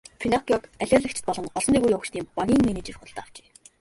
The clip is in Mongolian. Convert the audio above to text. Пиноккиог алиалагчид болон олсон дээгүүр явагчдын багийн менежер худалдан авчээ.